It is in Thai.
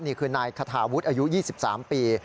นี่คือนายคาทาวุฒิอายุ๒๓ปี